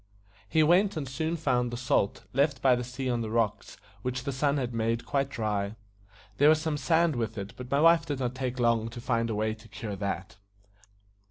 He went, and soon found the salt, left by the sea on the rocks, which the sun had made quite dry. There was some sand with it, but my wife did not take long to find a way to cure that.